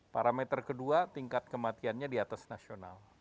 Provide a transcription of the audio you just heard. parameter kedua tingkat kematiannya di atas nasional